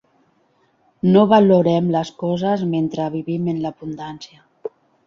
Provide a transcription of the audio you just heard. No valorem les coses mentre vivim en l'abundància.